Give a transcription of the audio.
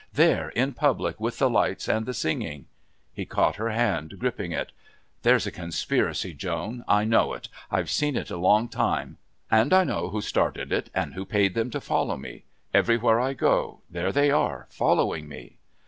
There in public with the lights and the singing." He caught her hand, gripping it. "There's a conspiracy, Joan. I know it. I've seen it a long time. And I know who started it and who paid them to follow me. Everywhere I go, there they are, following me.